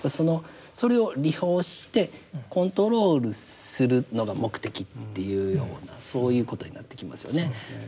それを利用してコントロールするのが目的っていうようなそういうことになってきますよね。